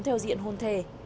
theo diện hôn thề